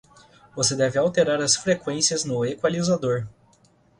você deve alterar as frequências no equalizador